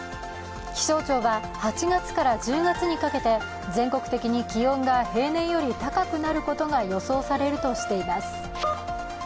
気象庁は８月から１０月にかけて全国的に気温が平年より高くなることが予想されるとしています。